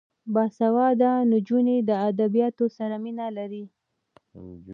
باسواده نجونې د ادبیاتو سره مینه لري.